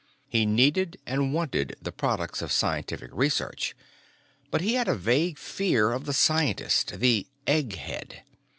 He needed and wanted the products of scientific research, but he had a vague fear of the scientist the "egghead."